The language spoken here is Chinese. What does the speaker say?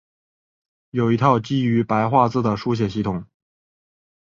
有一套基于白话字的书写系统。